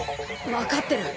分かってる。